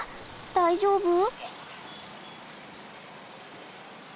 大丈夫？